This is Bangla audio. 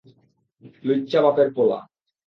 লুইচ্চা বাপের পোলা!